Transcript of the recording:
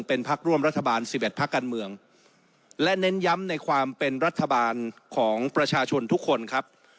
เป็นพักร่วมรัฐบาล๑๑พักการเมืองและเน้นย้ำในความเป็นรัฐบาลของประชาชนทุกคนครับ